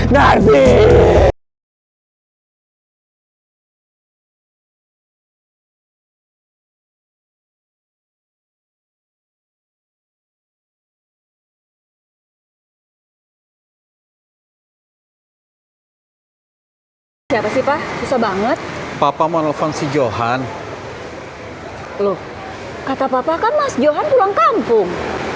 siapa sih pak susah banget papa mau nelfon si johan loh kata papa kan mas johan pulang kampung